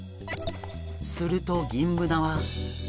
するとギンブナは。